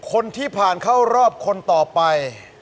คนที่ผ่านเข้ารอบคนต่อไป